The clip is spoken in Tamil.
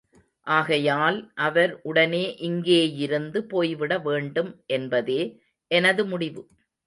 ஆகையால், அவர் உடனே இங்கேயிருந்து போய்விட வேண்டும் என்பதே எனது முடிவு.